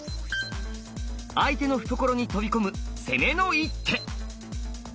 相手の懐に飛び込む攻めの一手。